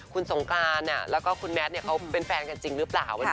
คุณสงกรารและคุณแมตซ์เป็นแฟนเป็นจริงหรือเปล่า